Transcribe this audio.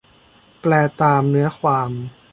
แปลตามเนื้อความ